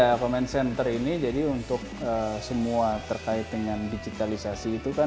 ya comment center ini jadi untuk semua terkait dengan digitalisasi itu kan